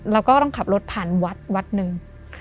เราก็ต้องขับรถผ่านวัดวัดหนึ่ง